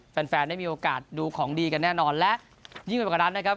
แฟนได้มีโอกาสดูของดีกันแน่นอนและยิ่งไปกว่านั้นนะครับ